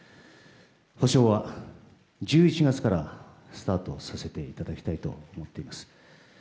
補償は１１月からスタートさせていただきたいと思っています。